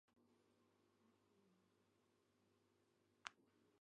Què va crear amb la seva germana?